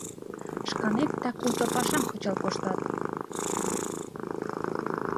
Шканет так уто пашам кычал коштат!..